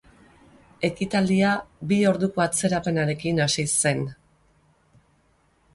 Ekitaldia bi orduko atzerapenarekin hasi zen.